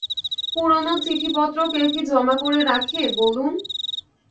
পুরোনো চিঠিপত্র কি কেউ জমা করে রাখে, বলুন?